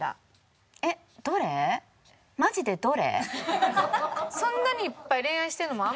マジでどれ？